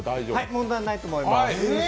問題ないと思います。